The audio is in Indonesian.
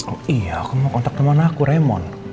oh iya aku mau kontak temen aku raymond